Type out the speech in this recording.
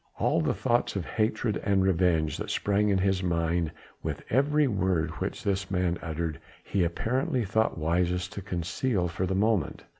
All the thoughts of hatred and revenge that sprang in his mind with every word which this man uttered, he apparently thought wisest to conceal for the moment.